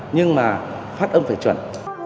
nhưng mà phát âm phải chuẩn